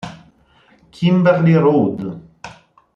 Kimberly Rhode